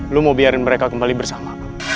lu mau biarin mereka kembali bersama